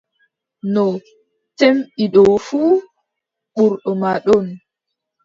No cemmbiɗɗo fuu, ɓurɗo ma ɗon.